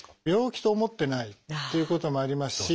病気と思ってないっていうこともあります